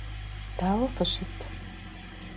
Daue fışıt?